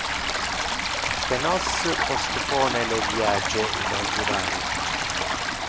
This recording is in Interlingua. Que nos postpone le viage inaugural.